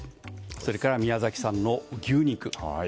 それから宮崎産の牛肉